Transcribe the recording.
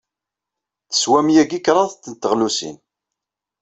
Teswam yagi kraḍt n teɣlusin.